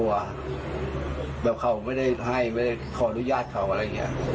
พอนึกจะให้ไม่ได้ขออนุญาตเขาอะไรเหอ